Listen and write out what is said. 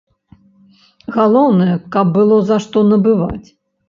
Галоўнае, каб было, за што набываць!